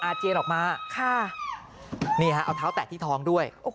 เจียนออกมาค่ะนี่ฮะเอาเท้าแตะที่ท้องด้วย